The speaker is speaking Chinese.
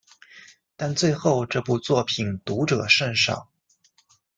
但最后这部作品读者甚少。